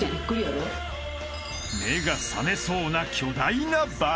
［目が覚めそうな巨大なバラ］